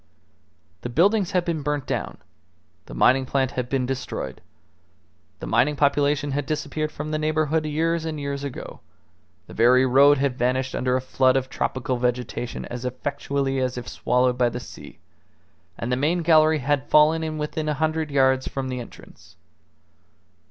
The buildings had been burnt down, the mining plant had been destroyed, the mining population had disappeared from the neighbourhood years and years ago; the very road had vanished under a flood of tropical vegetation as effectually as if swallowed by the sea; and the main gallery had fallen in within a hundred yards from the entrance.